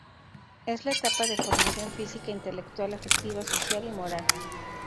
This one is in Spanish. Es la etapa de formación física, intelectual, afectiva, social y moral.